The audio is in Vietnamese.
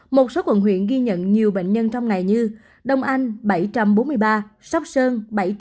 một số quận huyện ghi nhận nhiều bệnh nhân trong ngày như đồng anh bảy trăm bốn mươi ba sóc sơn bảy trăm ba mươi bốn